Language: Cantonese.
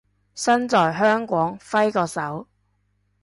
身在香港揮個手